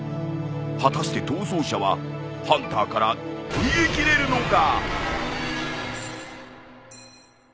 果たして逃走者はハンターから逃げきれるのか！？